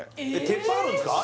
鉄板あるんですか？